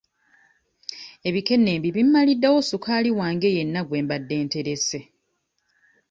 Ebikennembi bimmaliddewo sukaali wange yenna gwe mbadde nterese.